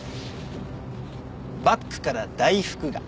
バッグから大福が。